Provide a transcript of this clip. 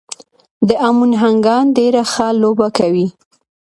د امو نهنګان ډېره ښه لوبه کوي.